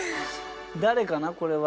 誰かなこれは。